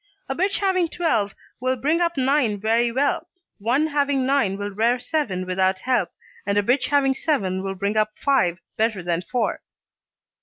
A bitch having twelve will bring up nine very well, one having nine will rear seven without help, and a bitch having seven will bring up five better than four.